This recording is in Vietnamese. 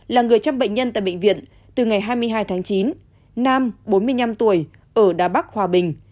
là người chăm bệnh nhân tại bệnh viện từ ngày hai mươi hai tháng chín nam bốn mươi năm tuổi ở đà bắc hòa bình